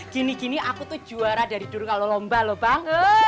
gini gini aku tuh juara dari dulu kalau lomba lo banget